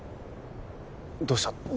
どうした？